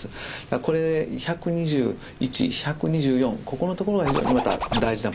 これ１２１１２４ここのところが非常にまた大事なポイントですね。